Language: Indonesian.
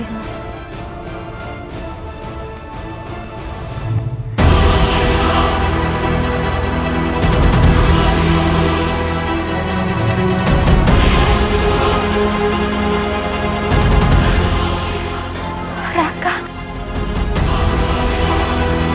alhamdulillah kamu berhasil